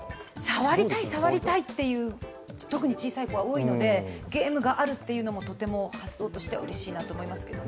触りたい、触りたいっていう特に小さい子は多いのでゲームがあるというのも、とても発想としてはうれしいと思います。